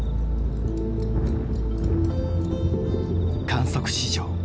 観測史上